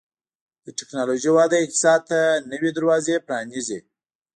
د ټکنالوژۍ وده اقتصاد ته نوي دروازې پرانیزي.